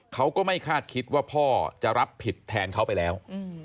เขาก็ไม่คาดคิดว่าพ่อจะรับผิดแทนเขาไปแล้ว